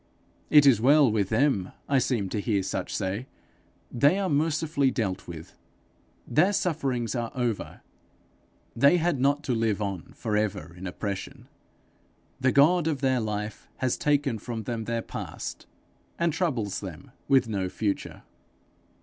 'It is well with them,' I seem to hear such say; 'they are mercifully dealt with; their sufferings are over; they had not to live on for ever in oppression. The God of their life has taken from them their past, and troubles them with no future!'